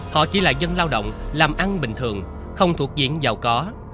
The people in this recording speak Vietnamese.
họ chỉ là dân lao động làm ăn bình thường không thuộc diện giàu có